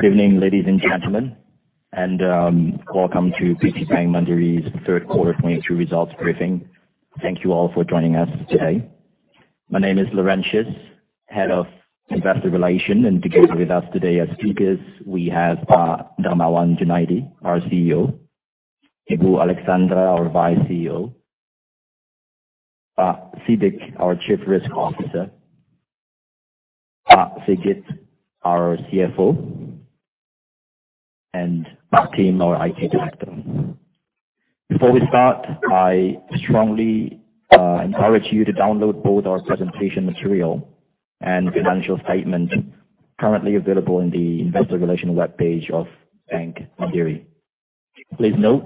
Good evening, ladies and gentlemen, and welcome to PT Bank Mandiri's third quarter 2023 results briefing. Thank you all for joining us today. My name is Laurensius, head of investor relations. Together with us today as speakers, we have Darmawan Junaidi, our CEO, Ibu Alexandra, our Vice CEO, Siddik, our Chief Risk Officer, Sigit, our CFO, and Pak im, our IT Director. Before we start, I strongly encourage you to download both our presentation material and financial statement currently available in the investor relations webpage of Bank Mandiri. Please note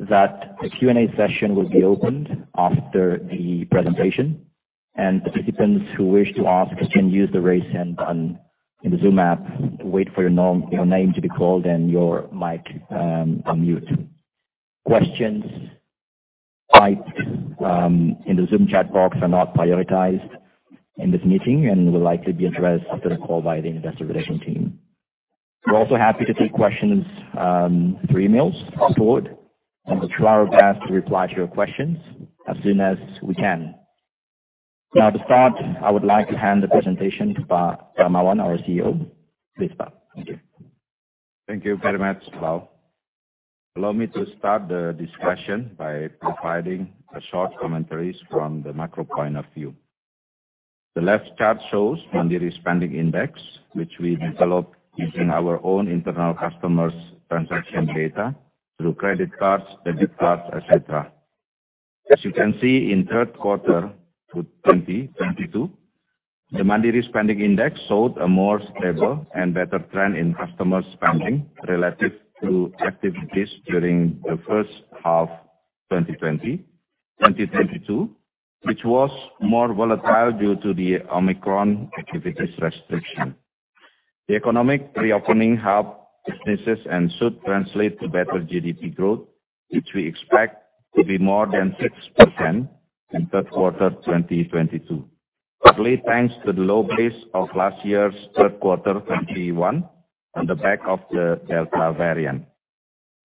that a Q&A session will be opened after the presentation, and participants who wish to ask can use the Raise Hand button in the Zoom app to wait for your name to be called and your mic unmute. Questions typed in the Zoom chat box are not prioritized in this meeting and will likely be addressed after the call by the Investor Relations team. We're also happy to take questions through emails afterward, and we'll try our best to reply to your questions as soon as we can. Now to start, I would like to hand the presentation to Darmawan, our CEO. Please start. Thank you. Thank you very much, Lau. Allow me to start the discussion by providing a short commentary from the macro point of view. The left chart shows Mandiri Spending Index, which we developed using our own internal customers' transaction data through credit cards, debit cards, et cetera. As you can see, in third quarter 2022, the Mandiri Spending Index showed a more stable and better trend in customer spending relative to activities during the first half 2020, 2022, which was more volatile due to the Omicron activity restrictions. The economic reopening helped businesses and should translate to better GDP growth, which we expect to be more than 6% in third quarter 2022. Partly thanks to the low base of last year's third quarter 2021 on the back of the Delta variant.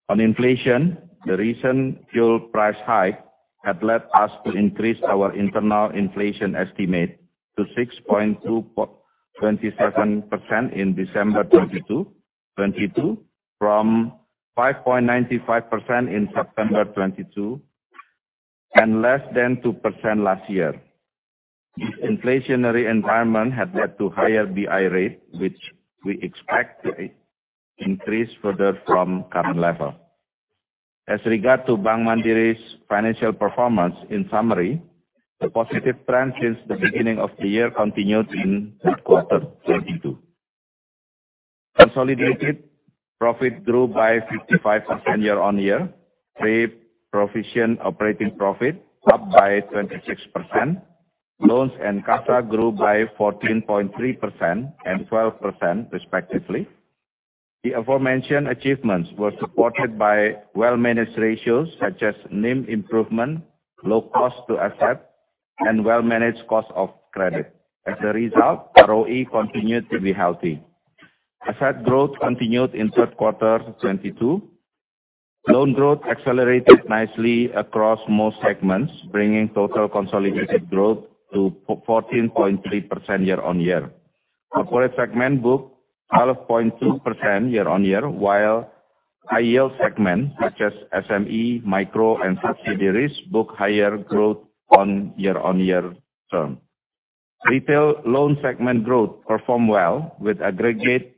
On inflation, the recent fuel price hike had led us to increase our internal inflation estimate to 6.2%-27% in December 2022 from 5.95% in September 2022, and less than 2% last year. This inflationary environment has led to higher BI rate, which we expect to increase further from current level. As regards to Bank Mandiri's financial performance, in summary, the positive trend since the beginning of the year continued in third quarter 2022. Consolidated profit grew by 55% year-on-year. Pre-provision operating profit up by 26%. Loans and CASA grew by 14.3% and 12% respectively. The aforementioned achievements were supported by well-managed ratios such as NIM improvement, low cost to asset, and well-managed cost of credit. As a result, ROE continued to be healthy. Asset growth continued in third quarter 2022. Loan growth accelerated nicely across most segments, bringing total consolidated growth to 14.3% year-on-year. Our core segment booked 12.2% year-on-year, while high yield segment such as SME, micro, and subsidiaries book higher growth on year-on-year term. Retail loan segment growth performed well with aggregate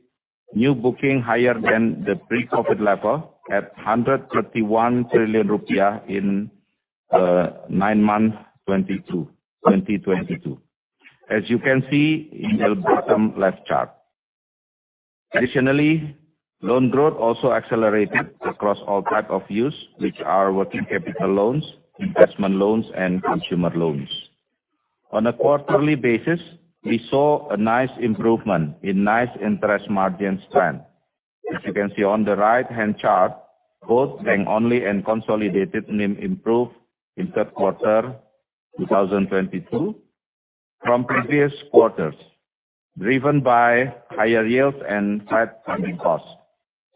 new booking higher than the pre-COVID level at 131 trillion rupiah in 9 month 2022, as you can see in the bottom left chart. Additionally, loan growth also accelerated across all type of use, which are working capital loans, investment loans, and consumer loans. On a quarterly basis, we saw a nice improvement in net interest margins trend. As you can see on the right-hand chart, both bank-only and consolidated NIM improved in third quarter 2022 from previous quarters, driven by higher yields and flat funding costs.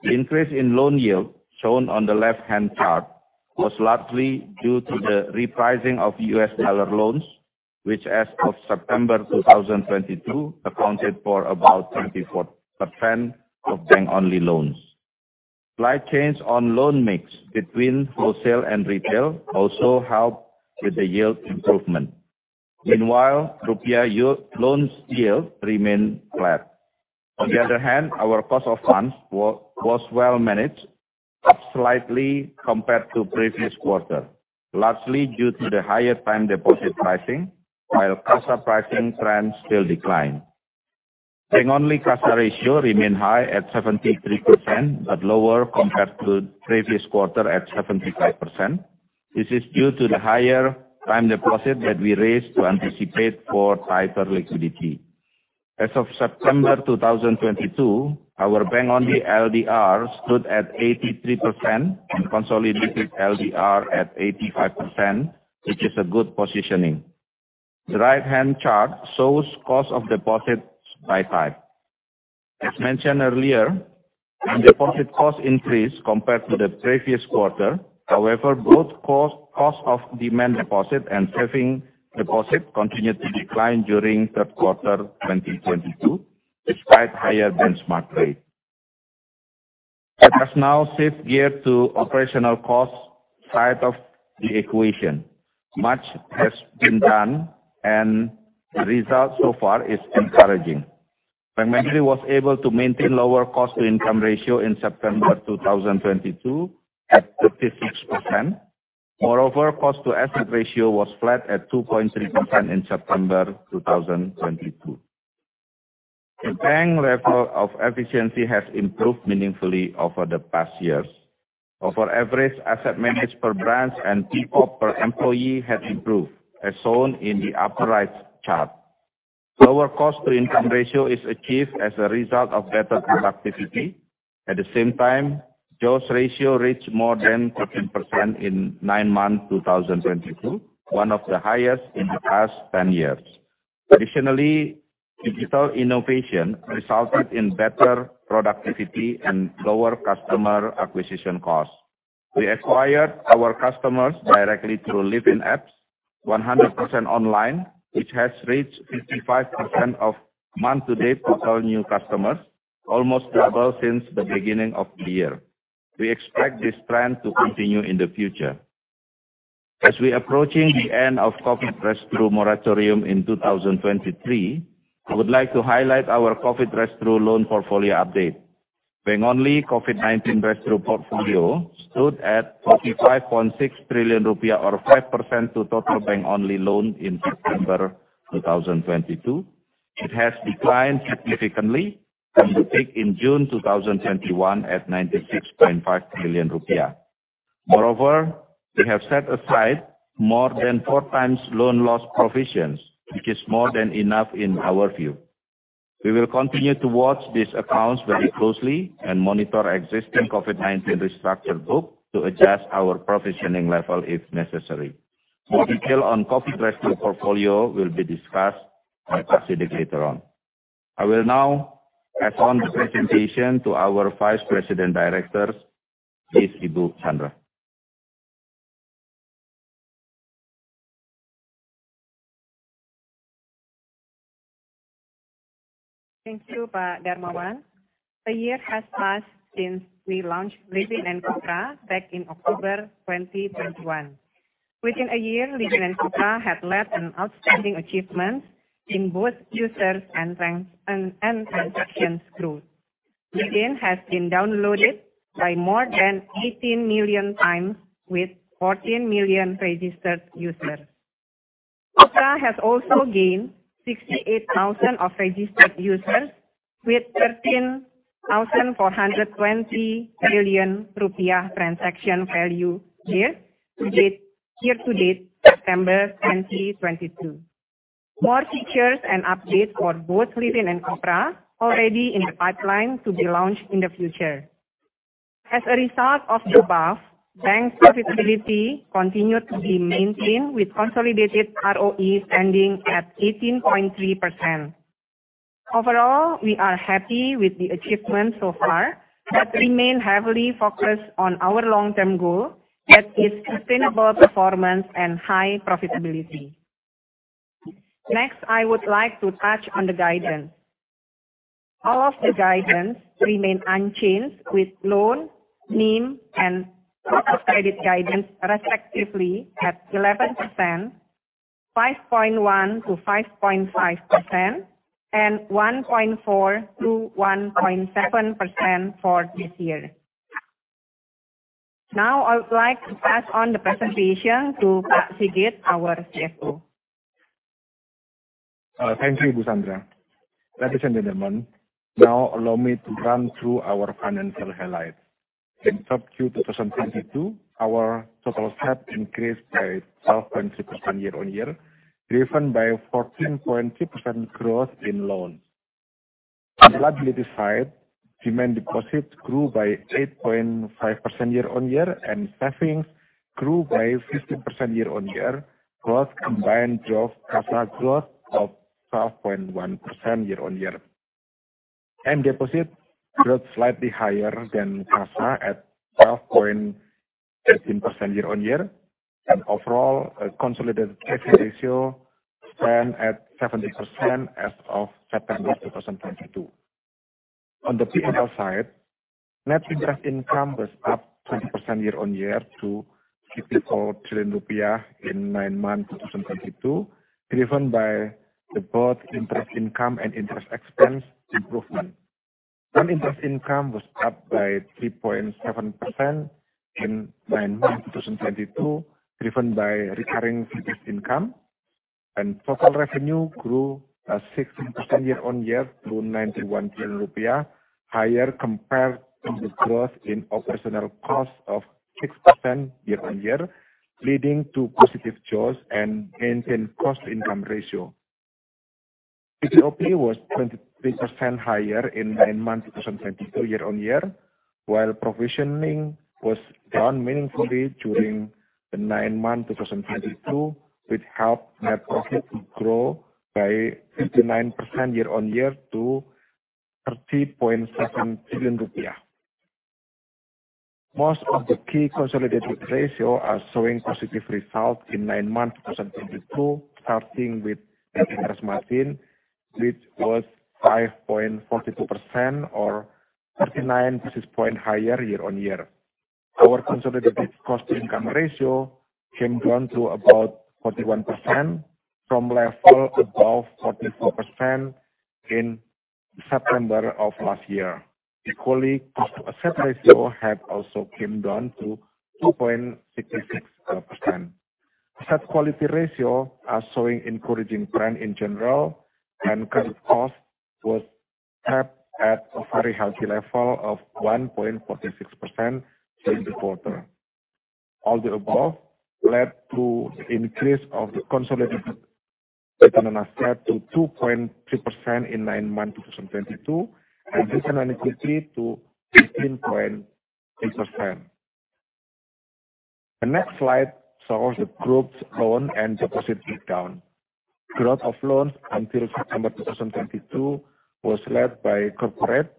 The increase in loan yield, shown on the left-hand chart, was largely due to the repricing of U.S. dollar loans, which as of September 2022 accounted for about 24% of bank-only loans. Slight change on loan mix between wholesale and retail also helped with the yield improvement. Meanwhile, rupiah loans yield remained flat. On the other hand, our cost of funds was well managed, up slightly compared to previous quarter, largely due to the higher time deposit pricing, while CASA pricing trends still decline. Bank-only CASA ratio remained high at 73%, but lower compared to previous quarter at 75%. This is due to the higher time deposit that we raised to anticipate for tighter liquidity. As of September 2022, our bank-only LDR stood at 83% and consolidated LDR at 85%, which is a good positioning. The right hand chart shows cost of deposits by type. As mentioned earlier, our deposit cost increased compared to the previous quarter. However, both cost of demand deposit and savings deposit continued to decline during third quarter 2022, despite higher benchmark rate. Let us now shift gear to operational cost side of the equation. Much has been done, and the result so far is encouraging. Bank Mandiri was able to maintain lower cost-to-income ratio in September 2022 at 36%. Moreover, cost to asset ratio was flat at 2.3% in September 2022. The bank level of efficiency has improved meaningfully over the past years. On average, asset managed per branch and people per employee has improved, as shown in the upper right chart. Lower cost to income ratio is achieved as a result of better productivity. At the same time, jaws ratio reached more than 13% in 9 months 2022, one of the highest in the past 10 years. Additionally, digital innovation resulted in better productivity and lower customer acquisition costs. We acquired our customers directly through Livin' app 100% online, which has reached 55% of month-to-date total new customers, almost double since the beginning of the year. We expect this trend to continue in the future. As we approaching the end of COVID restructuring moratorium in 2023, I would like to highlight our COVID restructuring loan portfolio update. Bank-only COVID-19 restructure portfolio stood at 45.6 trillion rupiah, or 5% of total Bank-only loans in September 2022. It has declined significantly from the peak in June 2021 at 96.5 billion rupiah. Moreover, we have set aside more than 4x loan loss provisions, which is more than enough in our view. We will continue to watch these accounts very closely and monitor existing COVID-19 restructure book to adjust our provisioning level if necessary. More detail on COVID restructure portfolio will be discussed by Pak Siddik later on. I will now pass on the presentation to our Vice President Director, please, Ibu Sandra. Thank you, Pak Darmawan. A year has passed since we launched Livin and Kopra back in October 2021. Within a year, Livin and Kopra have led an outstanding achievement in both users and transactions growth. Livin has been downloaded by more than 18 million times with 14 million registered users. Kopra has also gained 68,000 registered users with 13,420 billion rupiah transaction value year to date, September 2022. More features and updates for both Livin and Kopra already in the pipeline to be launched in the future. As a result of the above, Bank's profitability continued to be maintained with consolidated ROE standing at 18.3%. Overall, we are happy with the achievement so far, but remain heavily focused on our long-term goal, that is sustainable performance and high profitability. Next, I would like to touch on the guidance. All of the guidance remain unchanged with loan, NIM and cost of credit guidance respectively at 11%, 5.1%-5.5%, and 1.4%-1.7% for this year. Now, I would like to pass on the presentation to Pak Sigit, our CFO. Thank you, Ibu Sandra. Ladies and gentlemen, now allow me to run through our financial highlights. In 2Q 2022, our total debt increased by 12.3% year-on-year, driven by 14.3% growth in loans. On liability side, demand deposits grew by 8.5% year-on-year, and savings grew by 15% year-on-year, growth combined drove CASA growth of 12.1% year-on-year. Deposit growth slightly higher than CASA at 12.13% year-on-year. Overall, consolidated ratio stand at 70% as of September 2022. On the income side, net interest income was up 20% year-on-year to 54 trillion rupiah in nine months 2022, driven by both interest income and interest expense improvement. Non-interest income was up by 3.7% in 9 month 2022, driven by recurring fee-based income. Total revenue grew 16% year-on-year to 91 trillion rupiah, higher compared to the growth in operational costs of 6% year-on-year, leading to positive jaws and maintain cost-income ratio. BDOPE was 23% higher in 9 month 2022 year-on-year, while provisioning was down meaningfully during 9 month 2022, which helped net profit to grow by 59% year-on-year to 30.7 trillion rupiah. Most of the key consolidated ratios are showing positive results in 9 month 2022, starting with net interest margin, which was 5.42% or 39 basis points higher year-on-year. Our consolidated cost income ratio came down to about 41% from level above 44% in September of last year. Equally, cost to asset ratio had also came down to 2.66%. Asset quality ratios are showing encouraging trend in general, and credit cost was kept at a very healthy level of 1.46% during the quarter. All the above led to increase of the consolidated return on asset to 2.3% in 9 months 2022, additional equity to 15.3%. The next slide shows the group's loan and deposit breakdown. Growth of loans until September 2022 was led by corporate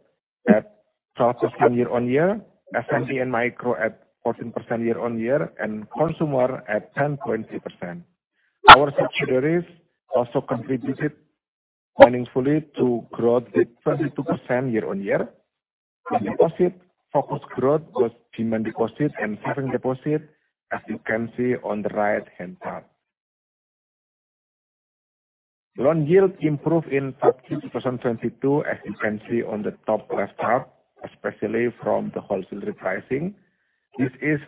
at 12% year-on-year, SME and micro at 14% year-on-year, and consumer at 10.3%. Our subsidiaries also contributed meaningfully to growth with 22% year-on-year. In deposit, focused growth was demand deposit and saving deposit, as you can see on the right-hand side. Loan yield improved in third Q 2022, as you can see on the top left chart, especially from the wholesale repricing. This is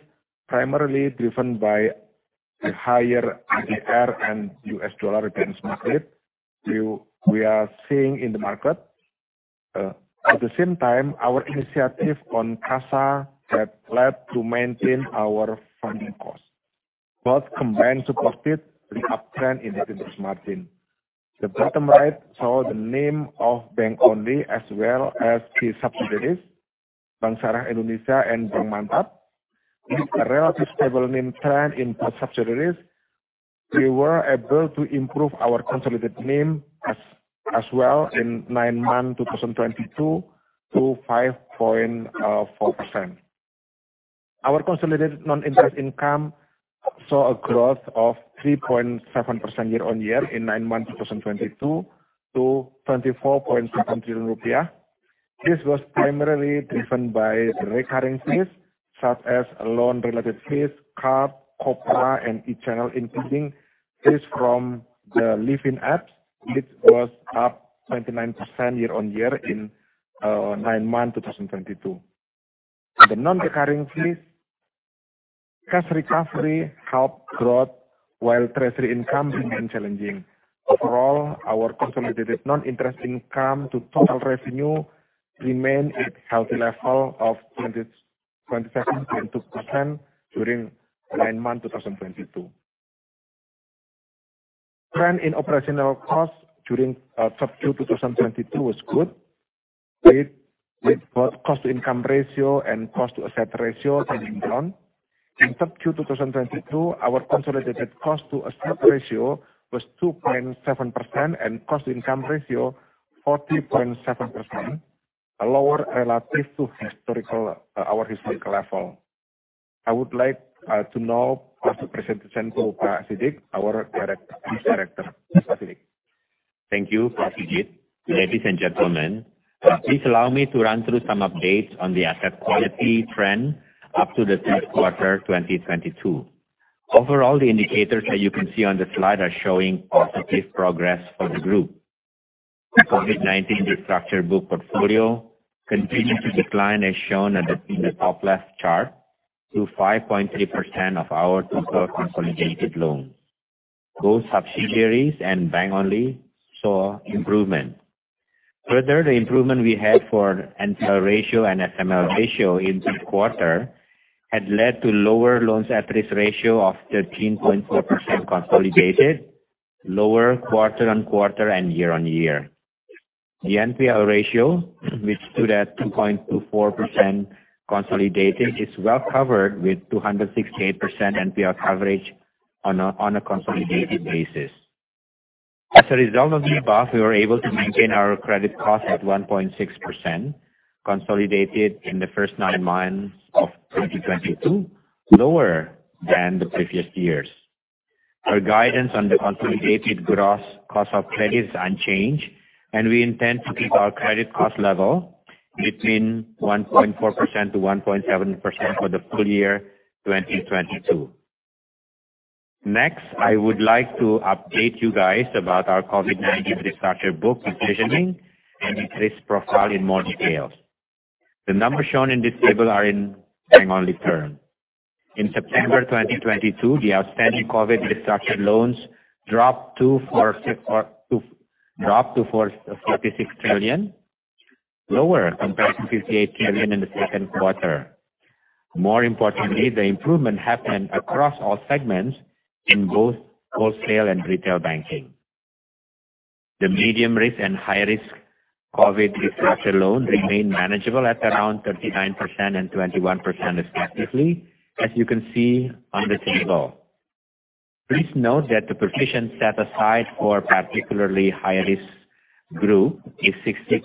primarily driven by the higher JIBOR and US dollar reference market we are seeing in the market. At the same time, our initiative on CASA had led to maintain our funding cost. Both combined supported the uptrend in net interest margin. The bottom right show the NIM of Bank Only as well as the subsidiaries, Bank Syariah Indonesia and Bank Mantap. With a relative stable NIM trend in both subsidiaries, we were able to improve our consolidated NIM as well in 9 months 2022 to 5.4%. Our consolidated non-interest income saw a growth of 3.7% year-on-year in nine months 2022 to 24.6 trillion rupiah. This was primarily driven by recurring fees such as loan-related fees, card, Kopra, and e-channel, including fees from the Livin' app, which was up 29% year-on-year in 9 months 2022. The non-recurring fees, cash recovery helped growth while treasury income remained challenging. Overall, our consolidated non-interest income to total revenue remained at healthy level of 27.2% during 9 months 2022. Trend in operational costs during third Q 2022 was good, with both cost income ratio and cost to asset ratio heading down. In third Q 2022, our consolidated cost to asset ratio was 2.7% and cost income ratio 40.7%, lower relative to historical, our historical level. I would like to now pass the presentation to Ahmad Siddik Badruddin, our Director of Risk Management. Ahmad Siddik Badruddin. Thank you, Pak Sigit. Ladies and gentlemen, please allow me to run through some updates on the asset quality trend up to the third quarter 2022. Overall, the indicators that you can see on the slide are showing positive progress for the group. COVID-19 restructured book portfolio continued to decline, as shown in the top left chart, to 5.3% of our total consolidated loans. Both subsidiaries and Bank Only saw improvement. Further, the improvement we had for NPL ratio and LAR ratio in third quarter had led to lower loans at risk ratio of 13.4% consolidated, lower quarter-on-quarter and year-on-year. The NPL ratio, which stood at 2.24% consolidated, is well covered with 268% NPL coverage on a consolidated basis. As a result of the above, we were able to maintain our credit cost at 1.6% consolidated in the first 9 months of 2022, lower than the previous years. Our guidance on the consolidated gross cost of credit is unchanged, and we intend to keep our credit cost level between 1.4% to 1.7% for the full year 2022. Next, I would like to update you guys about our COVID-19 restructured book positioning and its risk profile in more detail. The numbers shown in this table are in Bank Only term. In September 2022, the outstanding COVID restructured loans dropped to 466 trillion, lower compared to 58 trillion in the second quarter. More importantly, the improvement happened across all segments in both wholesale and retail banking. The medium risk and high risk COVID restructure loan remain manageable at around 39% and 21% respectively, as you can see on the table. Please note that the provision set aside for particularly high risk group is 60%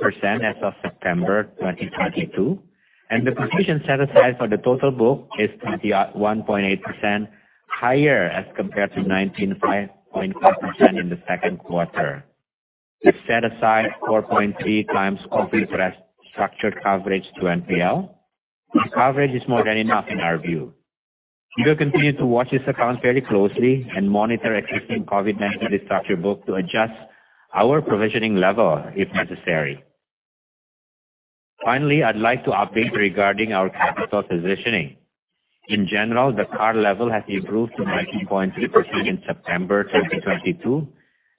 as of September 2022, and the provision set aside for the total book is 31.8% higher as compared to 19.5% in the second quarter. We've set aside 4.3x COVID restructure coverage to NPL. The coverage is more than enough in our view. We will continue to watch this account very closely and monitor existing COVID-19 restructure book to adjust our provisioning level if necessary. Finally, I'd like to update regarding our capital positioning. In general, the CAR level has improved to 19.3% in September 2022,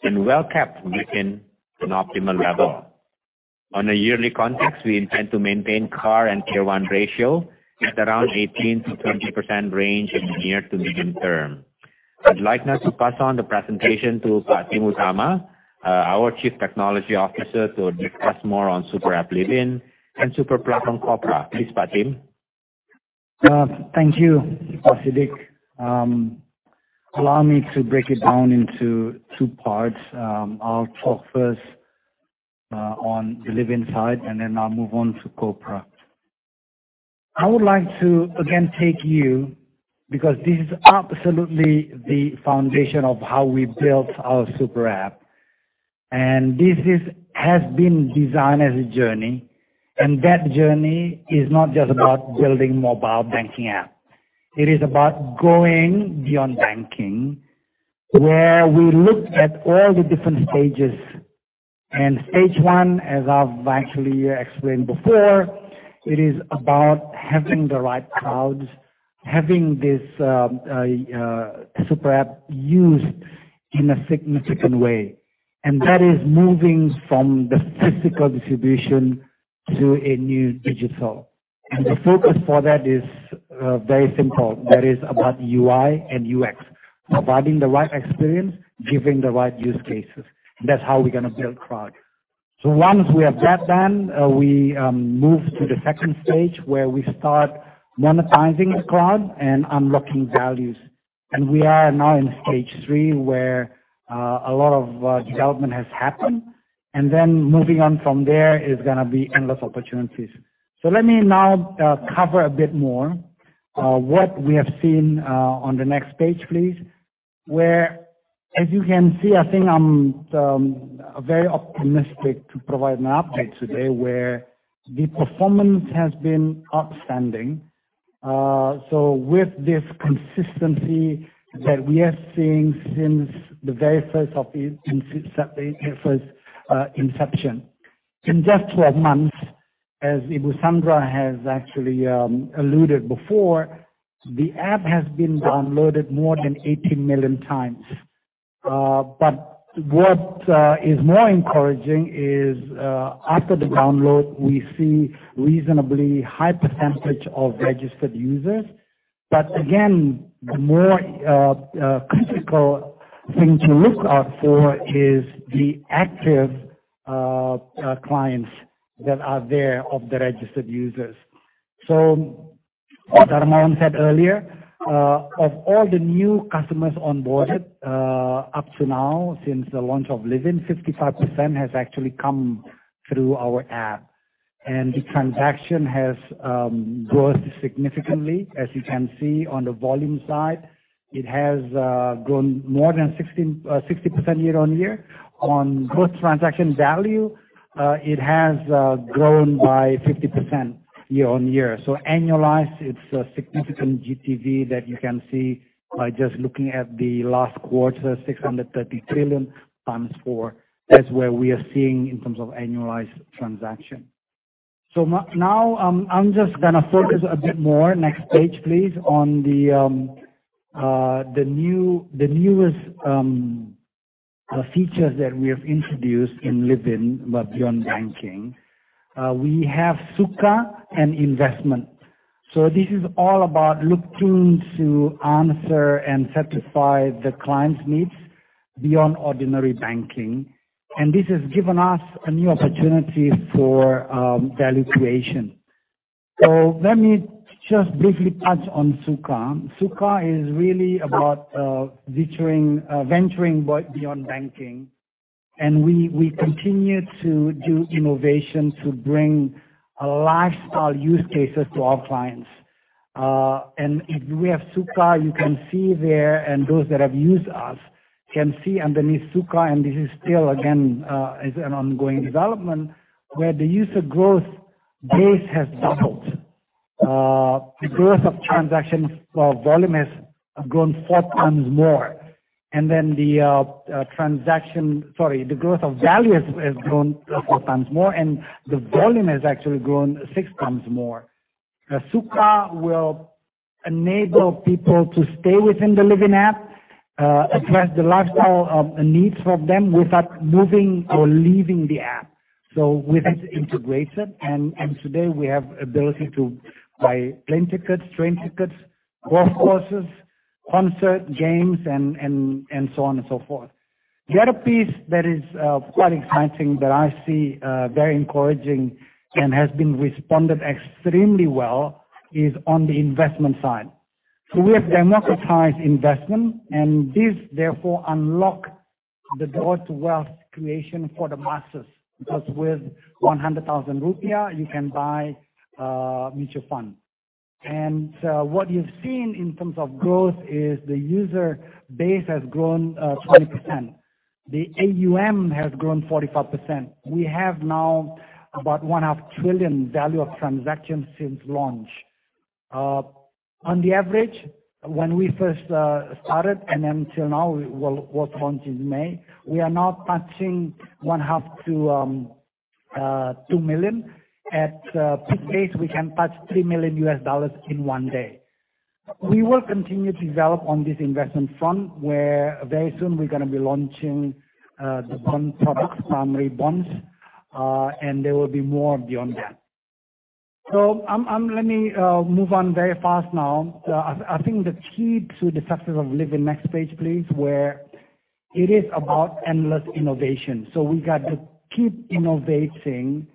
and well kept within an optimal level. In a yearly context, we intend to maintain CAR and Tier I ratio at around 18%-20% range in the near- to medium-term. I'd like now to pass on the presentation to Pak Tim Utama, our Chief Technology Officer, to discuss more on super app Livin' and super platform Kopra. Please, Pak Tim. Thank you, Pak Siddik. Allow me to break it down into two parts. I'll talk first on the Livin' side, and then I'll move on to Kopra. I would like to again take you, because this is absolutely the foundation of how we built our super app, and this is, has been designed as a journey, and that journey is not just about building mobile banking app. It is about going beyond banking, where we look at all the different stages. Stage one, as I've actually explained before, it is about having the right crowds, having this super app used in a significant way. That is moving from the physical distribution to a new digital. The focus for that is very simple. That is about UI and UX, providing the right experience, giving the right use cases. That's how we're gonna build cloud. Once we have that done, we move to the second stage, where we start monetizing the cloud and unlocking values. We are now in phase three, where a lot of development has happened. Moving on from there is gonna be endless opportunities. Let me now cover a bit more what we have seen on the next page, please. Where, as you can see, I think I'm very optimistic to provide an update today where the performance has been outstanding. With this consistency that we have seen since the very first of it, since the first inception. In just 12 months, as Ibu Sandra has actually alluded before, the app has been downloaded more than 80 million times. What is more encouraging is, after the download, we see reasonably high percentage of registered users. Again, the more critical thing to look out for is the active clients that are there of the registered users. As Darmawan said earlier, of all the new customers onboarded, up to now since the launch of Livin, 55% has actually come through our app. The transaction has grown significantly, as you can see on the volume side. It has grown more than 160% year-on-year. On gross transaction value, it has grown by 50% year-on-year. Annualized, it's a significant GTV that you can see by just looking at the last quarter, 630 trillion times four. That's where we are seeing in terms of annualized transaction. Now, I'm just gonna focus a bit more, next page, please, on the newest features that we have introduced in Livin, but beyond banking. We have Sukha and Investment. This is all about look to answer and satisfy the client's needs beyond ordinary banking. This has given us a new opportunity for value creation. Let me just briefly touch on Sukha. Sukha is really about venturing beyond banking, and we continue to do innovation to bring a lifestyle use cases to our clients. If we have Sukha, you can see there, and those that have used us can see underneath Sukha, and this is still an ongoing development, where the user growth base has doubled. The growth of transaction volume has grown four times more. The growth of value has grown four times more, and the volume has actually grown six times more. Sukha will enable people to stay within the Livin' app, address the lifestyle of needs from them without moving or leaving the app. We've integrated, and today we have ability to buy plane tickets, train tickets, golf courses, concert, games, and so on and so forth. The other piece that is quite exciting that I see very encouraging and has been responded extremely well is on the investment side. We have democratized investment, and this therefore unlock the door to wealth creation for the masses, because with 100,000 rupiah you can buy mutual fund. What you've seen in terms of growth is the user base has grown 20%. The AUM has grown 45%. We have now about IDR one-half trillion value of transactions since launch. On the average, when we first started and until now, it was launched in May, we are now touching IDR one-half to 2 million. At peak days, we can touch $3 million in one day. We will continue to develop on this investment front, where very soon we're gonna be launching the bond products, primary bonds, and there will be more beyond that. Let me move on very fast now. I think the key to the success of Livin', next page, please, where it is about endless innovation. We've got to keep innovating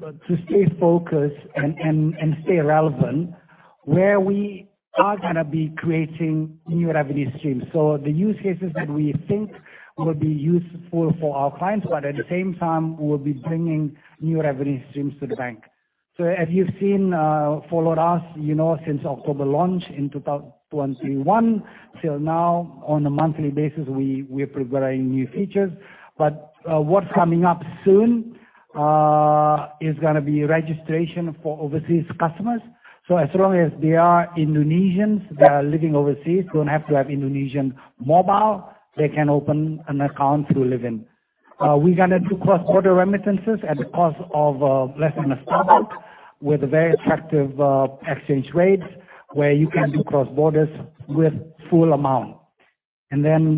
to stay focused and stay relevant, where we are gonna be creating new revenue streams. The use cases that we think will be useful for our clients, but at the same time we'll be bringing new revenue streams to the bank. As you've seen, followed us, you know, since October launch in 2021 till now, on a monthly basis, we're providing new features. What's coming up soon is gonna be registration for overseas customers. As long as they are Indonesians, they are living overseas, don't have to have Indonesian mobile, they can open an account through Livin'. We're gonna do cross-border remittances at the cost of less than $1 with very attractive exchange rates, where you can do cross-borders with full amount.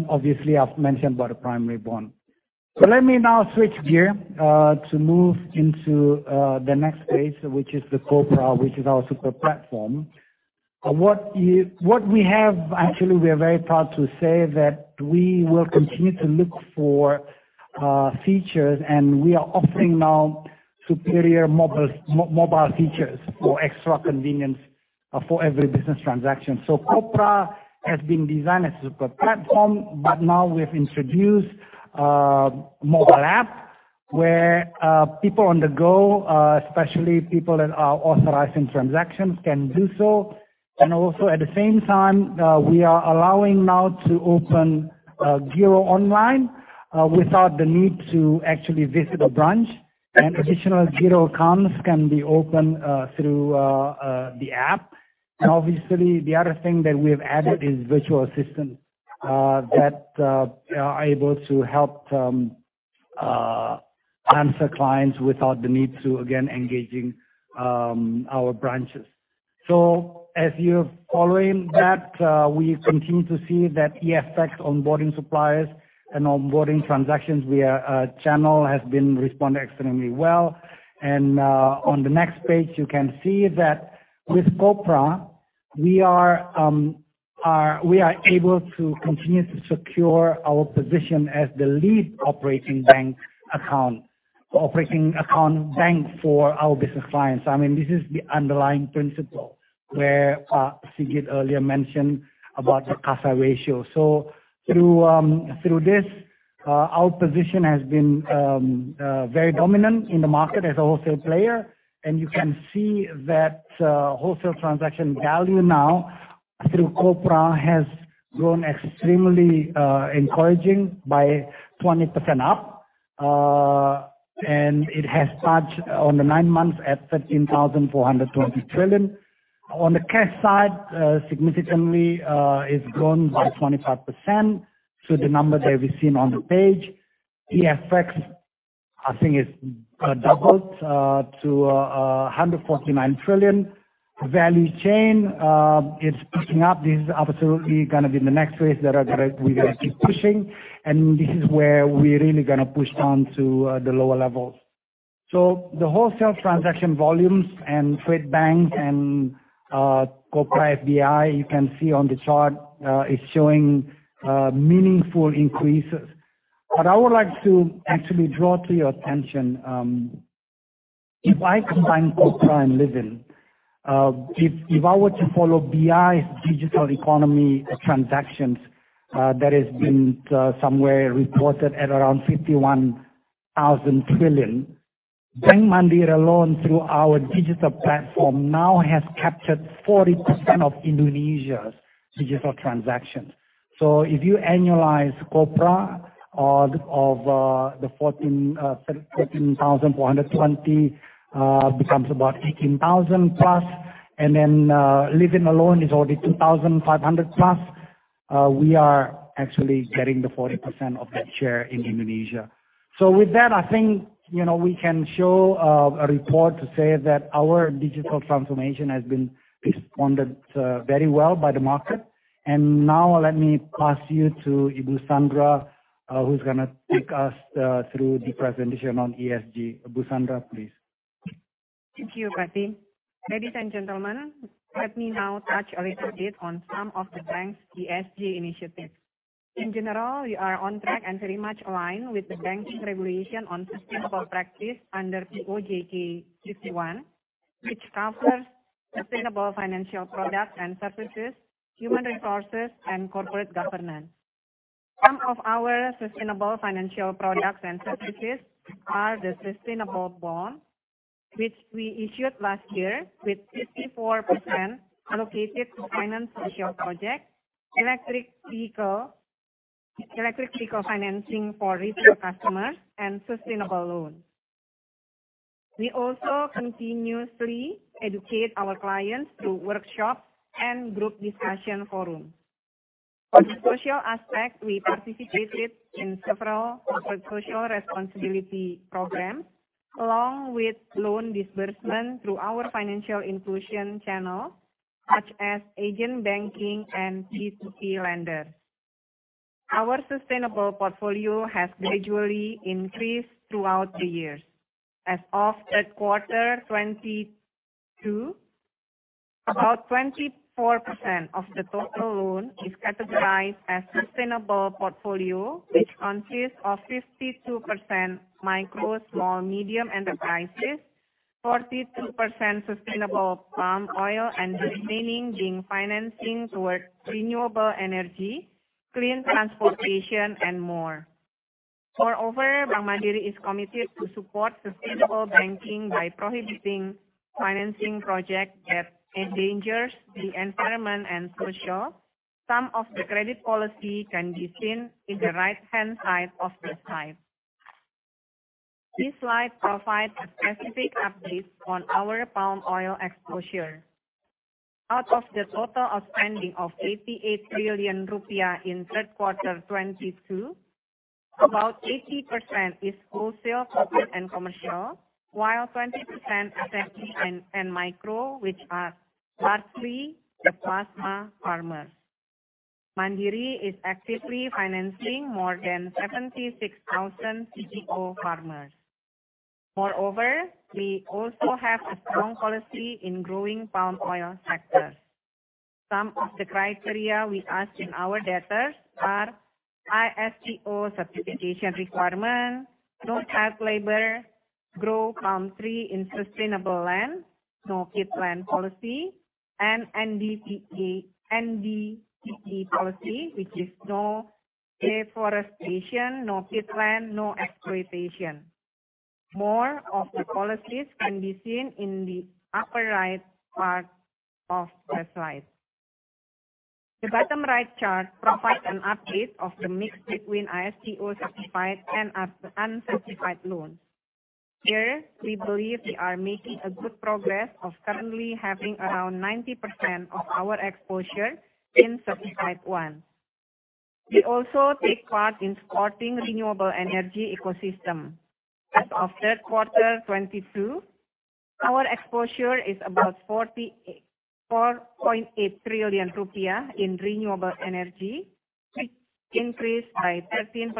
Obviously, I've mentioned about the primary bond. Let me now switch gear to move into the next page, which is the Kopra, which is our super platform. What we have, actually we are very proud to say that we will continue to look for features, and we are offering now superior mobile features for extra convenience for every business transaction. Kopra has been designed as super platform, but now we've introduced mobile app, where people on the go, especially people that are authorizing transactions, can do so. Also at the same time, we are allowing now to open giro online without the need to actually visit a branch. Additional giro accounts can be opened through the app. Obviously, the other thing that we have added is virtual assistant that are able to help answer clients without the need to, again, engaging our branches. As you're following that, we continue to see that eFX onboarding suppliers and onboarding transactions via channel has been responded extremely well. On the next page, you can see that with Kopra we are able to continue to secure our position as the lead operating bank account, operating account bank for our business clients. I mean, this is the underlying principle where Sigit earlier mentioned about the CASA ratio. Through this, our position has been very dominant in the market as a wholesale player. You can see that, wholesale transaction value now through Kopra has grown extremely encouraging by 20% up. It has touched on the nine months at 13,420 trillion. On the cash side, significantly, it's grown by 25% to the number that we've seen on the page. eFX, I think it's doubled to 149 trillion. Value chain, it's picking up. This is absolutely gonna be the next phase that we gotta keep pushing, and this is where we're really gonna push down to the lower levels. The wholesale transaction volumes and trade bank and Kopra, you can see on the chart, is showing meaningful increases. I would like to actually draw to your attention, if I combine Kopra and Livin', if I were to follow BI's digital economy transactions, that has been somewhere reported at around 51,000 trillion. Bank Mandiri alone through our digital platform now has captured 40% of Indonesia's digital transactions. If you annualize Kopra of the 13,420, becomes about 18,000+, and then Livin' alone is already 2,500+. We are actually getting the 40% of that share in Indonesia. With that, I think, you know, we can show a report to say that our digital transformation has been responded very well by the market. Now let me pass you to Ibu Sandra, who's gonna take us through the presentation on ESG. Ibu Sandra, please. Thank you, Tim. Ladies and gentlemen, let me now touch a little bit on some of the bank's ESG initiatives. In general, we are on track and very much aligned with the banking regulation on sustainable practice under POJK 61, which covers sustainable financial products and services, human resources, and corporate governance. Some of our sustainable financial products and services are the sustainable bond, which we issued last year with 54% allocated to finance social projects, electric vehicle financing for retail customers, and sustainable loans. We also continuously educate our clients through workshops and group discussion forums. On the social aspect, we participated in several corporate social responsibility programs, along with loan disbursement through our financial inclusion channel, such as agent banking and P2P lender. Our sustainable portfolio has gradually increased throughout the years. As of third quarter 2022, about 24% of the total loan is categorized as sustainable portfolio, which consists of 52% micro, small, medium enterprises, 42% sustainable palm oil, and the remaining being financing towards renewable energy, clean transportation, and more. Moreover, Bank Mandiri is committed to support sustainable banking by prohibiting financing projects that endangers the environment and social. Some of the credit policy can be seen in the right-hand side of the slide. This slide provides a specific update on our palm oil exposure. Out of the total outstanding of 88 trillion rupiah in third quarter 2022, about 80% is wholesale, corporate, and commercial, while 20% are SME and micro, which are largely the plasma farmers. Mandiri is actively financing more than 76,000 PKO farmers. Moreover, we also have a strong policy in growing palm oil sector. Some of the criteria we ask in our debtors are ISPO certification requirement, no child labor, grow palm tree in sustainable land, no peatland policy, and NDPE policy, which is no deforestation, no peatland, no exploitation. More of the policies can be seen in the upper right part of the slide. The bottom right chart provides an update of the mix between ISPO certified and uncertified loans. Here, we believe we are making a good progress of currently having around 90% of our exposure in certified one. We also take part in supporting renewable energy ecosystem. As of third quarter 2022, our exposure is about 44.8 trillion rupiah in renewable energy, which increased by 13%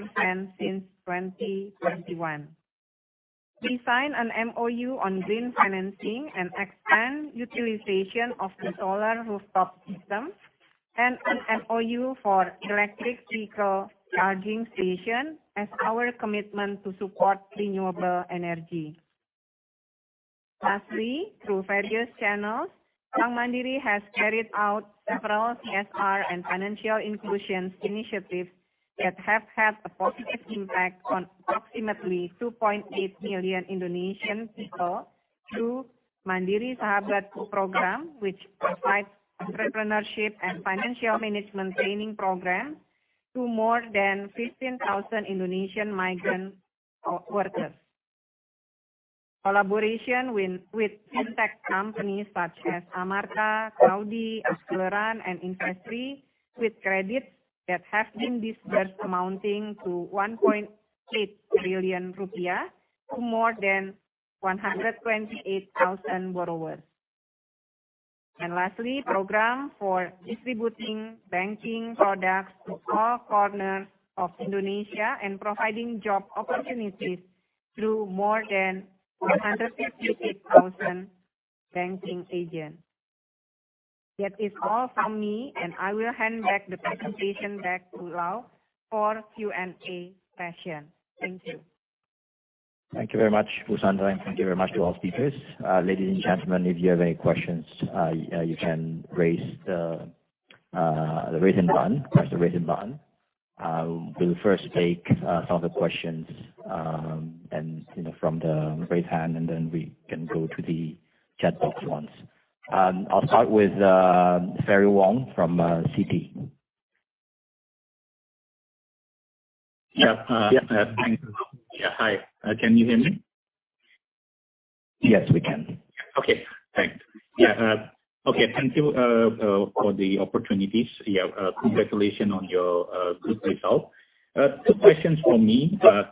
since 2021. We signed an MoU on green financing and expand utilization of the solar rooftop system and an MoU for electric vehicle charging station as our commitment to support renewable energy. Lastly, through various channels, Bank Mandiri has carried out several CSR and financial inclusion initiatives that have had a positive impact on approximately 2.8 million Indonesian people through Mandiri Sahabat Program, which provides entrepreneurship and financial management training program to more than 15,000 Indonesian migrant workers. Collaboration with fintech companies such as Amartha, Kredit Pintar, Akseleran, and Investree, with credits that have been disbursed amounting to 1.8 trillion rupiah to more than 128,000 borrowers. Lastly, program for distributing banking products to all corners of Indonesia and providing job opportunities through more than 158,000 banking agents. That is all from me, and I will hand back the presentation to Lau for Q&A session. Thank you. Thank you very much, Ibu Sandra, and thank you very much to all speakers. Ladies and gentlemen, if you have any questions, you can raise the Raise Hand button. Press the Raise Hand button. We'll first take some of the questions, and you know, from the Raise Hand, and then we can go to the chat box ones. I'll start with Ferry Wong from Citi. Yeah. Yeah. Thanks. Yeah. Hi, can you hear me? Yes, we can. Thank you for the opportunities. Congratulations on your good result. Two questions from me to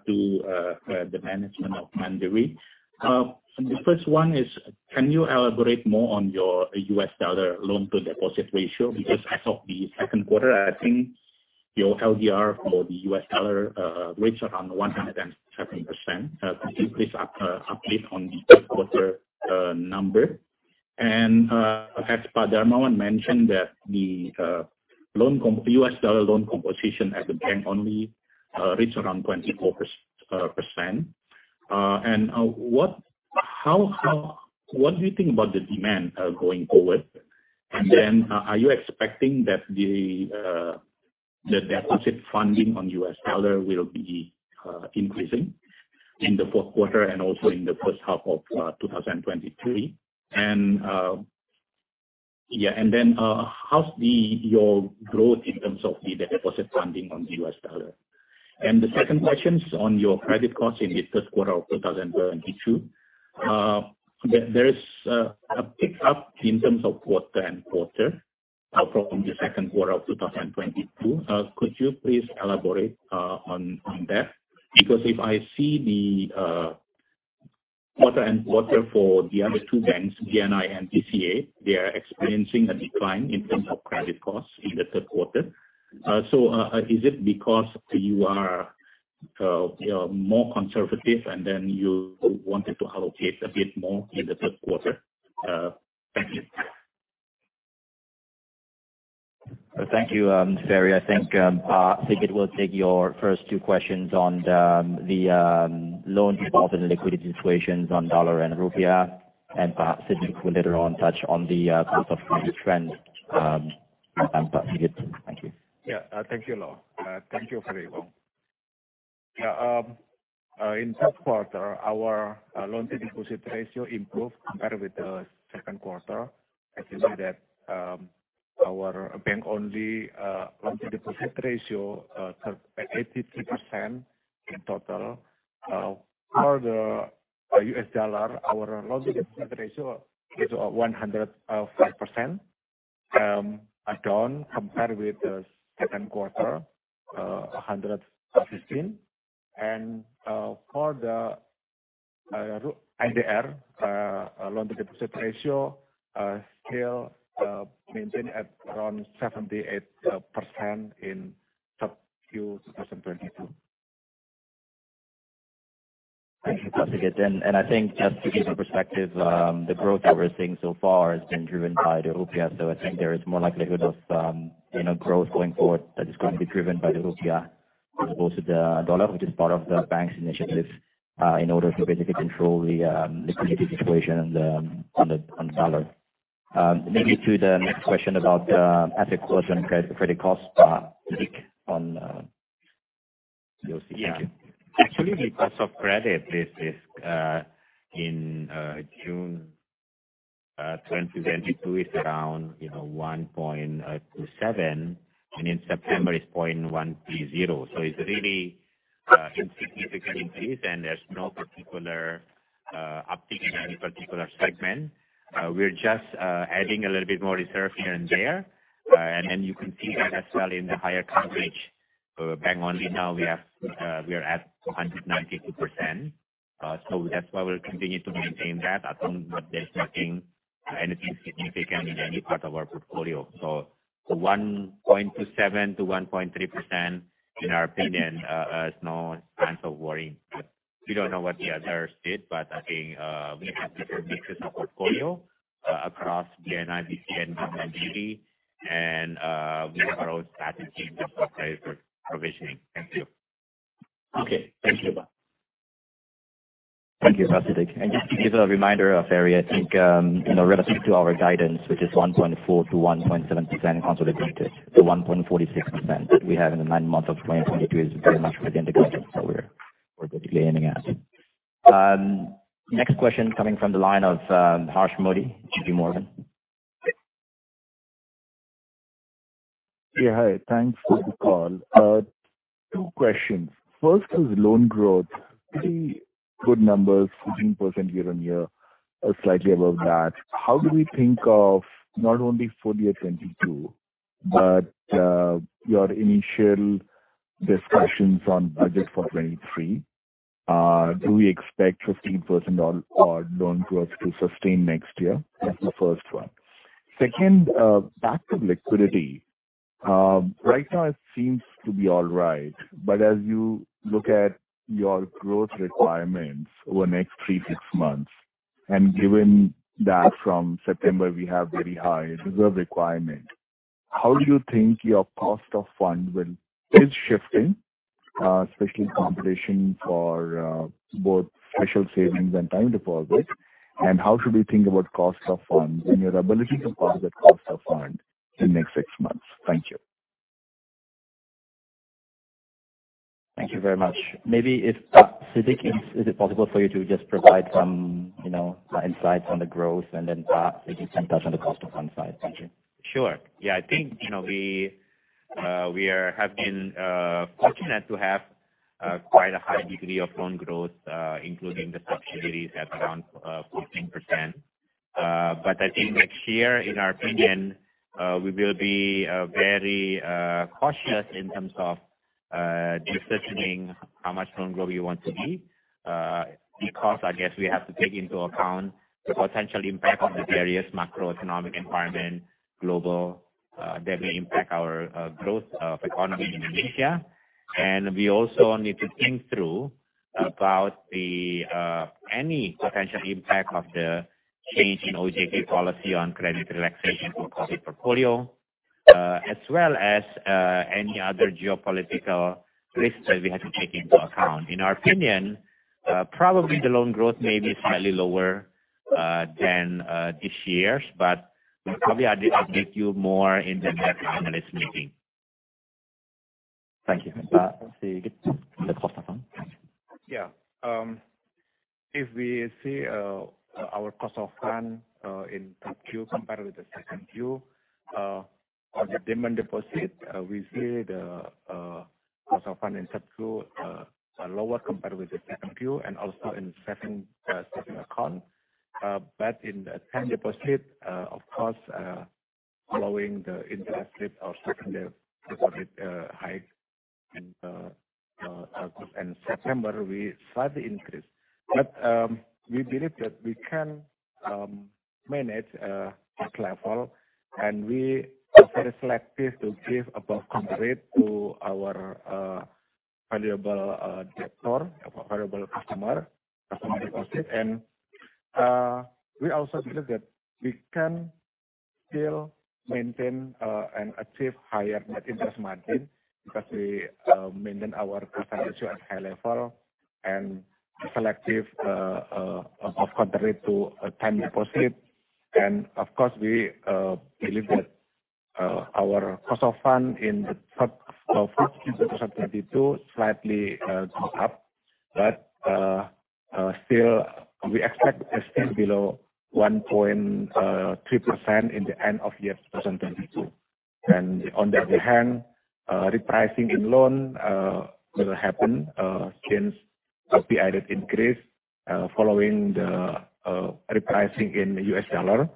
the management of Mandiri. The first one is, can you elaborate more on your U.S. dollar loan-to-deposit ratio? Because as of the second quarter, I think your LDR for the U.S. dollar was around 107%. Could you please update on the third quarter number? As Pak Darmawan mentioned that the U.S. dollar loan composition at the bank only reached around 24%. What do you think about the demand going forward? Are you expecting that the deposit funding in U.S. dollars will be increasing in the fourth quarter and also in the first half of 2023? How is your growth in terms of the deposit funding in U.S. dollars? The second question is on your credit costs in the third quarter of 2022. There is a pick-up in terms of quarter-on-quarter from the second quarter of 2022. Could you please elaborate on that? Because if I see the quarter-on-quarter for the other two banks, BNI and BCA, they are experiencing a decline in terms of credit costs in the third quarter. Is it because you are, you know, more conservative and then you wanted to allocate a bit more in the third quarter? Thank you. Thank you, Ferry. I think Pak Sigit will take your first two questions on the LDR involved in liquidity situations on dollar and rupiah. Perhaps Siddik will later on touch on the cost of credit trend, and Pak Sigit. Thank you. Thank you, Law. Thank you, Ferry. In third quarter, our loan-to-deposit ratio improved compared with the second quarter. As you know that, our bank-only loan-to-deposit ratio, 83% in total. For the U.S. dollar, our loan-to-deposit ratio is 105%, as shown compared with the second quarter, 115. For the IDR loan-to-deposit ratio, still maintained at around 78% in third Q 2022. Thank you, Pak Sigit. I think just to give a perspective, the growth that we're seeing so far has been driven by the rupiah. I think there is more likelihood of, you know, growth going forward that is going to be driven by the rupiah as opposed to the dollar, which is part of the bank's initiative in order to basically control the liquidity situation on the dollar. Maybe to the next question about asset quality and credit costs, Siddik on. You'll see. Thank you. Actually, the cost of credit this is in June 2022 is around, you know, 1.27%, and in September it's 1.30%. It's really insignificant increase, and there's no particular uptick in any particular segment. We're just adding a little bit more reserve here and there. And then you can see that as well in the higher coverage. Bank-only now we are at 192%. That's why we'll continue to maintain that as long as there's nothing, anything significant in any part of our portfolio. The 1.27%-1.30%, in our opinion, is no signs of worrying. We don't know what the others did, but I think we have different business portfolio across BNI, BCA, and Mandiri. We have our own strategy for credit provisioning. Thank you. Okay. Thank you, Pak. Thank you, Pak Siddik. Just to give a reminder, Ferry, I think, you know, relative to our guidance, which is 1.4%-1.7% consolidated, the 1.46% that we have in the nine months of 2022 is very much within the guidance that we're basically aiming at. Next question coming from the line of Harsh Modi, JPMorgan. Yeah, hi. Thanks for the call. Two questions. First is loan growth. Pretty good numbers, 15% year-on-year, or slightly above that. How do we think of not only full year 2022 but your initial discussions on budget for 2023? Do we expect 15% on loan growth to sustain next year? That's the first one. Second, back to liquidity. Right now it seems to be all right, but as you look at your growth requirements over the next three, six months, and given that from September we have very high reserve requirement, how do you think your cost of funds will shift, especially competition for both special savings and time deposit? How should we think about cost of funds and your ability to pass the cost of fund in the next six months? Thank you. Thank you very much. Maybe, Siddik, is it possible for you to just provide some, you know, insights on the growth and then maybe Siddik touch on the cost of fund side. Thank you. Sure. Yeah. I think, you know, we have been fortunate to have. Quite a high degree of loan growth, including the subsidiaries at around 14%. I think next year, in our opinion, we will be very cautious in terms of decisioning how much loan growth we want to be, because I guess we have to take into account the potential impact of the various macroeconomic environment, global, that may impact our growth of economy in Indonesia. We also need to think through about any potential impact of the change in OJK policy on credit relaxation for COVID portfolio, as well as any other geopolitical risks that we have to take into account. In our opinion, probably the loan growth may be slightly lower than this year's, but we'll probably update you more in the next analyst meeting. Thank you. Let's see. Let's go Sigit. Yeah. If we see our cost of fund in third Q compared with the second Q on the demand deposit, we see the cost of fund in third Q are lower compared with the second Q and also in savings account. In the time deposit, of course, following the interest rate of savings deposit hike in August and September, we slightly increase. We believe that we can manage such level, and we are very selective to give above-BI-rate to our valuable customer deposit. We also believe that we can still maintain and achieve higher net interest margin because we maintain our CASA at high level and selective to a time deposit. Of course, we believe that our cost of fund in the first quarter 2022 slightly go up, but still we expect to stay below 1.3% in the end of 2022. On the other hand, repricing in loan will happen since BI rate increase following the repricing in U.S. dollar,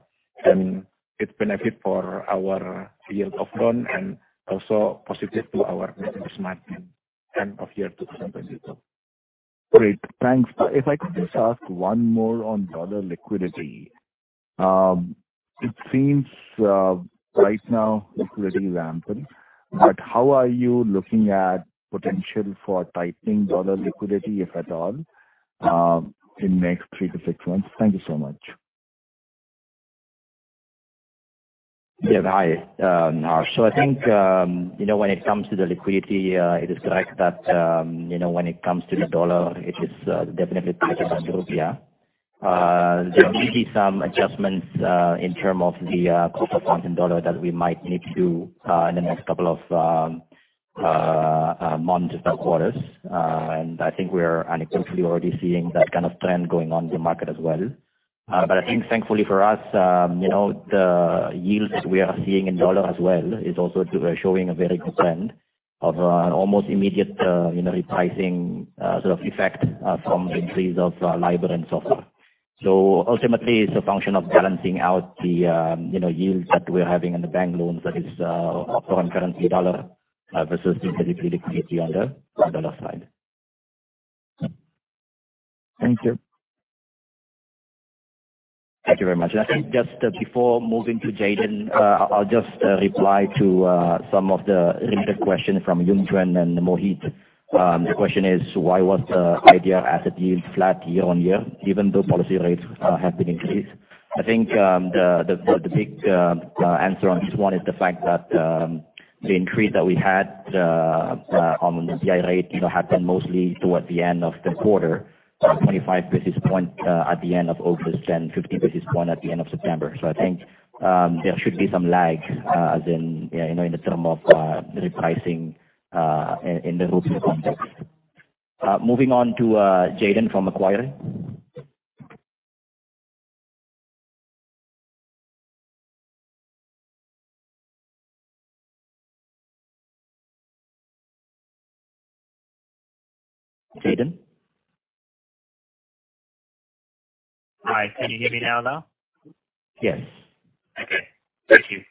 and it benefit for our yield of loan and also positive to our net interest margin end of 2022. Great. Thanks. If I could just ask one more on dollar liquidity. It seems right now liquidity is ample, but how are you looking at potential for tightening dollar liquidity, if at all, in three-six months? Thank you so much. Yeah. Hi, so I think, you know, when it comes to the liquidity, it is correct that, you know, when it comes to the dollar, it is definitely tighter than rupiah. There may be some adjustments, in terms of the cost of funds in dollar that we might need to in the next couple of months, quarters. I think we're anecdotally already seeing that kind of trend going on in the market as well. I think thankfully for us, you know, the yields that we are seeing in dollar as well. We're showing a very good trend of an almost immediate, you know, repricing sort of effect from the increase of LIBOR and SOFR. Ultimately, it's a function of balancing out the yields that we're having in the bank loans, that is, home currency, U.S. dollar versus the liquidity on the U.S. dollar side. Thank you. Thank you very much. I think just before moving to Jayden, I'll just reply to some of the recent questions from Yun-Chuan and Mohit. The question is, why was the IDR asset yield flat year-on-year, even though policy rates have been increased? I think the big answer on this one is the fact that the increase that we had on the BI rate, you know, happened mostly towards the end of the quarter. 25 basis points at the end of August, and 50 basis points at the end of September. I think there should be some lag, as in, you know, in the term of the repricing in the rupiah context. Moving on to Jayden from Macquarie. Jayden? Hi. Can you hear me now? Yes. Okay. Thank you.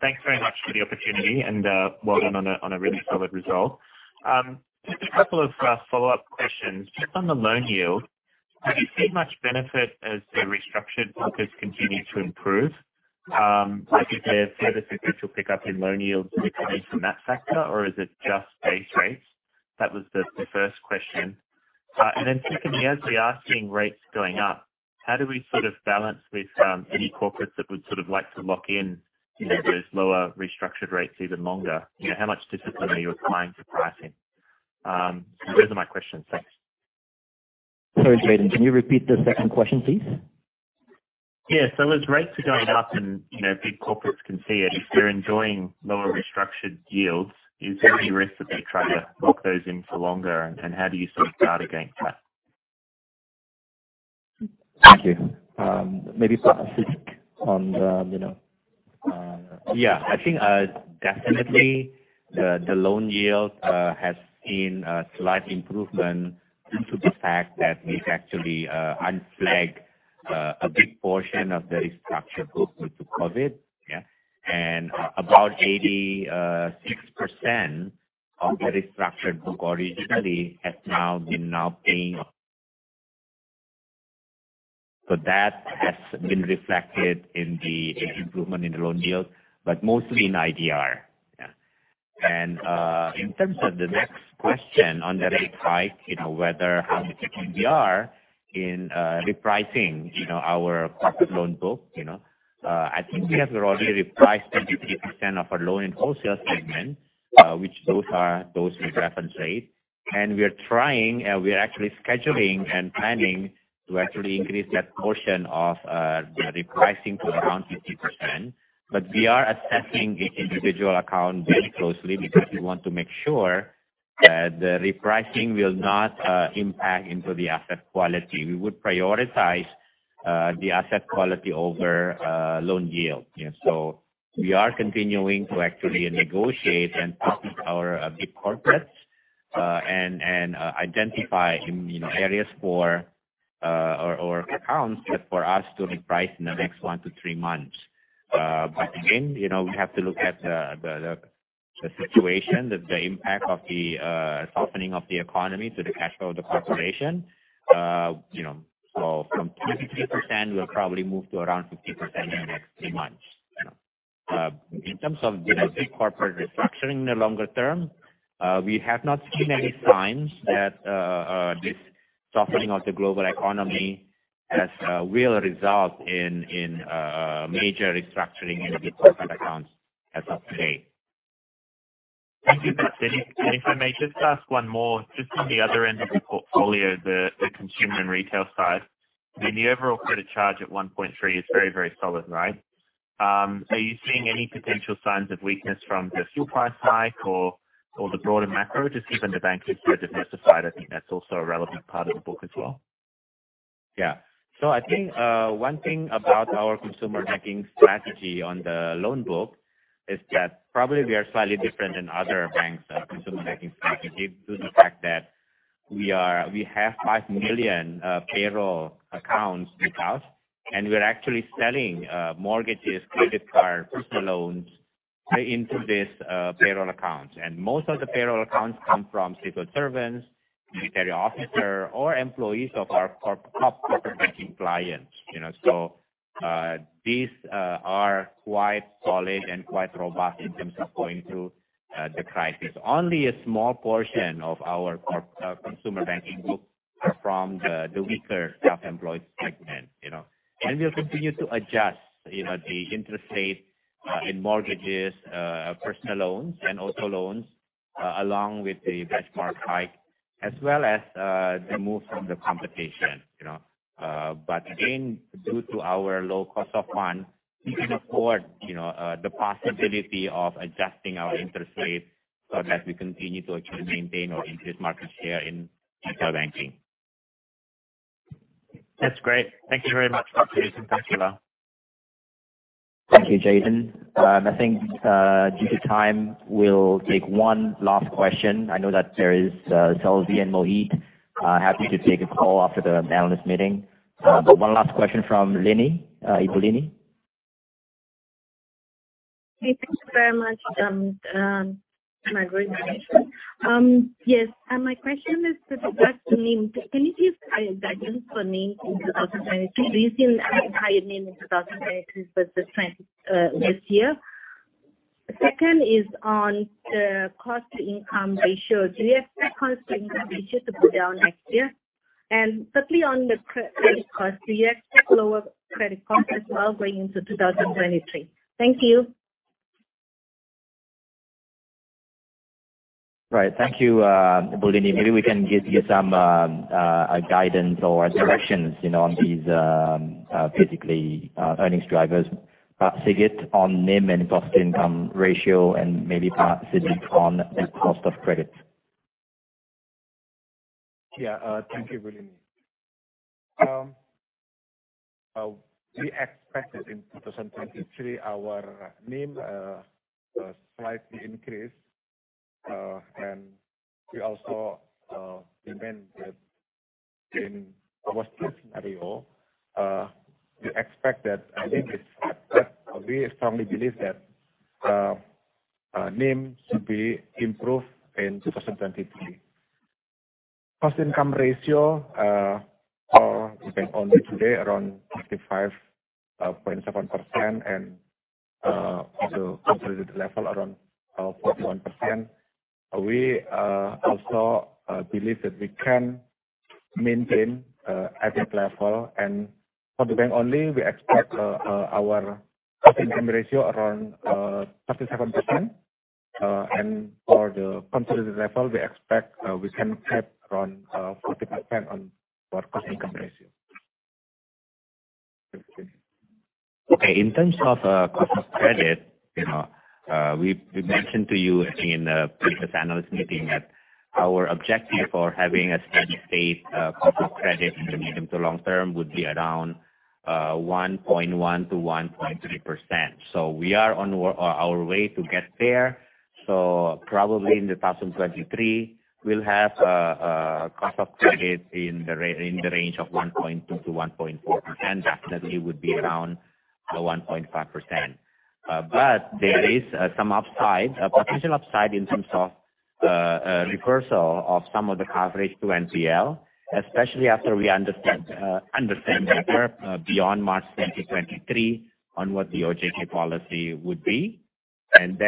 Thanks very much for the opportunity and, well done on a really solid result. Just a couple of follow-up questions. Just on the loan yield, have you seen much benefit as the restructured focus continue to improve? I think there's further sequential pick up in loan yields coming from that factor, or is it just base rates? That was the first question. Secondly, as we are seeing rates going up, how do we sort of balance with any corporates that would sort of like to lock in, you know, those lower restructured rates even longer? You know, how much discipline are you applying to pricing? Those are my questions. Thanks. Sorry, Jayden, can you repeat the second question, please? Yeah. As rates are going up and, you know, big corporates can see it, if they're enjoying lower restructured yields, is there any risk that they try to lock those in for longer? How do you sort of guard against that? Thank you. Maybe specific on the, you know, I think definitely the loan yield has seen a slight improvement due to the fact that we've actually unflagged a big portion of the restructured book due to COVID. About 86% of the restructured book originally has now been paying. That has been reflected in the improvement in the loan yield, but mostly in IDR. In terms of the next question on the rate hike, you know, whether how effective we are in repricing, you know, our corporate loan book, you know. I think we have already repriced 28% of our loan in wholesale segment, which those are with reference rate. We are actually scheduling and planning to actually increase that portion of, you know, repricing to around 50%. We are assessing each individual account very closely because we want to make sure that the repricing will not impact into the asset quality. We would prioritize the asset quality over loan yield. We are continuing to actually negotiate and talk with our big corporates and identify, you know, areas for or accounts that for us to reprice in the next one-three months. Again, you know, we have to look at the situation, the impact of the softening of the economy to the cash flow of the corporation. You know, from 23%, we'll probably move to around 50% in the next three months. In terms of, you know, big corporate restructuring in the longer term, we have not seen any signs that this softening of the global economy will result in major restructuring in the corporate accounts as of today. Thank you, Pak. If I may just ask one more, just on the other end of the portfolio, the consumer and retail side. I mean, the overall credit charge at 1.3% is very, very solid, right? Are you seeing any potential signs of weakness from the fuel price hike or the broader macro? Just even the bank's exposure to Taspen, I think that's also a relevant part of the book as well. Yeah. I think one thing about our consumer banking strategy on the loan book is that probably we are slightly different than other banks' consumer banking strategy, due to the fact that we have 5 million payroll accounts with us, and we're actually selling mortgages, credit card, personal loans into this payroll account. Most of the payroll accounts come from civil servants, military officer or employees of our corp, top corporate banking clients, you know. These are quite solid and quite robust in terms of going through the crisis. Only a small portion of our corp consumer banking book are from the weaker self-employed segment, you know. We'll continue to adjust, you know, the interest rate in mortgages, personal loans and auto loans, along with the benchmark hike, as well as the move from the competition, you know. But again, due to our low cost of funds, we can afford, you know, the possibility of adjusting our interest rates so that we continue to actually maintain or increase market share in retail banking. That's great. Thank you very much, Pak Siddik. Thank you a lot. Thank you, Jayden Vantarakis. I think, due to time, we'll take one last question. I know that there is Selvi and Mohit happy to take a call after the analyst meeting. One last question from Lenny, Eboleni. Hey, thank you very much, and a great presentation. Yes, my question is with regards to NIM. Can you give guidance for NIM in 2022? Do you see a higher NIM in 2022 versus trend last year? Second is on the cost-to-income ratio. Do you expect cost-to-income ratio to go down next year? Certainly on the credit cost, do you expect lower credit cost as well going into 2023? Thank you. Right. Thank you, Eboleni. Maybe we can give you some guidance or directions, you know, on these basically earnings drivers. Pak Sigit on NIM and cost-to-income ratio, and maybe Pak Siddik on the cost of credit. Yeah, thank you, Eboleni. We expect that in 2023, our NIM slightly increase. In our stress scenario, we expect that we strongly believe that NIM should be improved in 2023. Cost-to-income ratio for the bank only today around 35.7% and also consolidated level around 41%. We also believe that we can maintain at that level. For the bank only, we expect our cost-income ratio around 37%. For the consolidated level, we expect we can cap around 40% on our cost-income ratio. Okay, in terms of cost of credit, you know, we mentioned to you in a previous analyst meeting that our objective for having a steady state cost of credit in the medium to long term would be around 1.1%-1.3%. We are on our way to get there. Probably in 2023, we'll have cost of credit in the range of 1.2%-1.4%, and definitely would be around 1.5%. There is some upside, a potential upside in terms of reversal of some of the coverage to NPL, especially after we understand better beyond March 2023 on what the OJK policy would be. If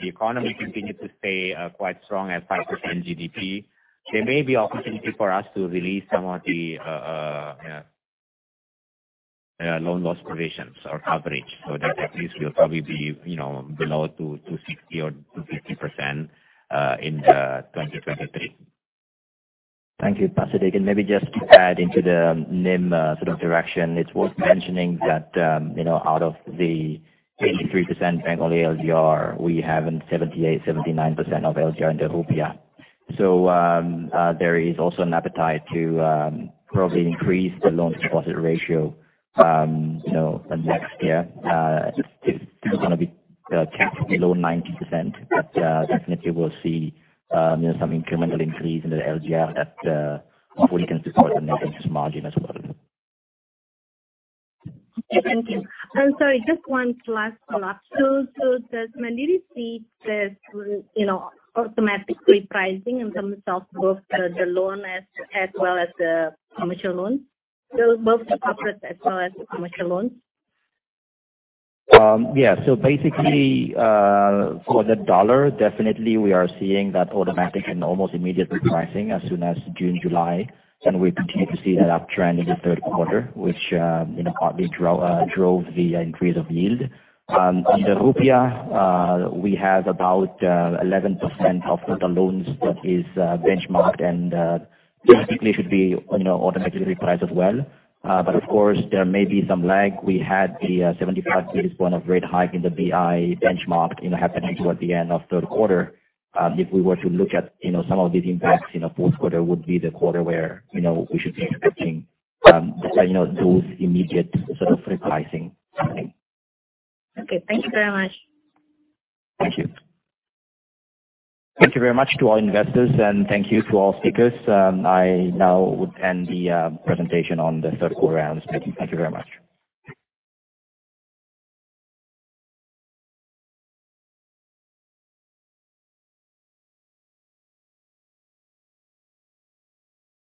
the economy continues to stay quite strong at 5% GDP, there may be opportunity for us to release some of the you know loan loss provisions or coverage. That risk will probably be you know below 260 or 250% in 2023. Thank you, Ahmad Siddik Badruddin. Maybe just to add into the NIM sort of direction. It's worth mentioning that you know out of the 83% bank-only LDR, we have 78-79% of LDR in the rupiah. There is also an appetite to probably increase the loans deposit ratio you know next year. It's gonna be capped below 90%. Definitely we'll see, you know, some incremental increase in the LDR that fully consist of the net interest margin as well. Thank you. I'm sorry, just one last follow-up. Does Mandiri see this, you know, automatic repricing in terms of both the loan as well as the commercial loan? Both the corporate as well as the commercial loans. Basically, for the dollar, definitely we are seeing that automatic and almost immediate repricing as soon as June, July, and we continue to see that uptrend in the third quarter, which, you know, partly drove the increase of yield. In the rupiah, we have about 11% of total loans that is benchmarked. Basically should be, you know, automatically repriced as well. But of course, there may be some lag. We had the 75 basis points of rate hike in the BI benchmark, you know, happening toward the end of third quarter. If we were to look at, you know, some of these impacts, you know, fourth quarter would be the quarter where, you know, we should be expecting those immediate sort of repricing. Okay. Thank you very much. Thank you. Thank you very much to all investors and thank you to all speakers. I now would end the presentation on the third quarter earnings. Thank you. Thank you very much.